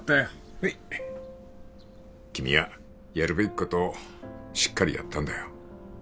はい君はやるべきことをしっかりやったんだよ